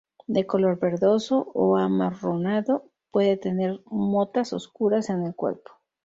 De color verdoso o amarronado, puede tener motas oscuras en el cuerpo.